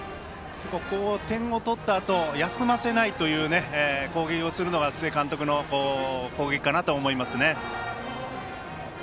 点を取ったあと休ませないという攻撃をするのが須江監督の攻撃だと思います。